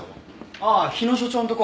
ああ日野所長んとこ。